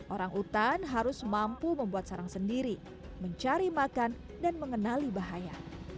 orang utan harus mampu membuat sarang sendiri mencari makan dan mengenali bahaya